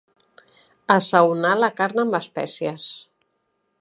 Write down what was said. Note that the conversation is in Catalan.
Assaonar la carn amb espècies.